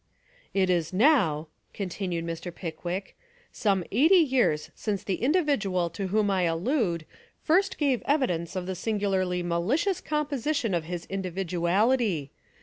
"It is now," continued Mr. Pickwick, "some eighty years since the individual to whom I allude first gave evidence of the singularly ma licious composition of his individuality.